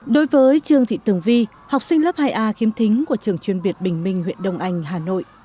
đối với trương thị tường vi học sinh lớp hai a khiếm thính của trường chuyên việt bình minh huyện đông anh hà nội